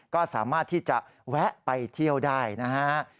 ก็สามารถที่จะแวะไปเที่ยวได้นะฮะ